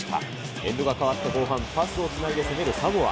エンドが変わった後半、パスをつないで攻めるサモア。